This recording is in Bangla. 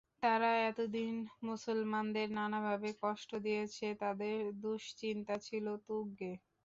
যারা এতদিন মুসলমানদের নানাভাবে কষ্ট দিয়েছে তাদের দুশ্চিন্তা ছিল তুঙ্গে।